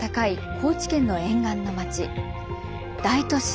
高知県の沿岸の町大都市